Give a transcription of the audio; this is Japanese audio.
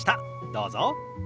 どうぞ。